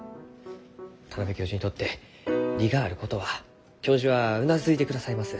田邊教授にとって利があることは教授はうなずいてくださいます。